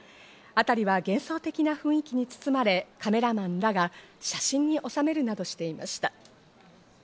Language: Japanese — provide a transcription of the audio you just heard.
辺りは幻想的な雰囲気に包まれ、カメラマンらが写真におさめるなどしていました。